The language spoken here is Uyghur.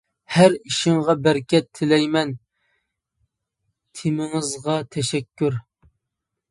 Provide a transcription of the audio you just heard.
ھەر ئىشىڭىزغا بەرىكەت تىلەيمەن، تېمىڭىزغا تەشەككۈر!